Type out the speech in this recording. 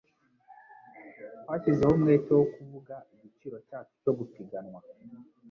Twashyizeho umwete wo kuvuga igiciro cyacu cyo gupiganwa.